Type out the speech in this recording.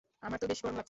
আমার তো বেশ গরম লাগছে!